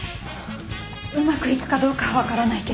うまくいくかどうかは分からないけど。